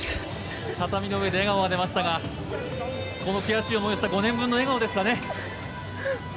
畳の上で笑顔が出ましたがこの悔しい思いをした５年分の笑顔ですかね。